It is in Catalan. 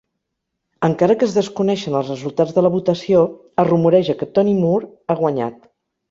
Encara que es desconeixen els resultats de la votació, es rumoreja que Tony Moore ha guanyat.